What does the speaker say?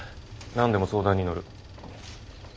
何でも相談に乗る。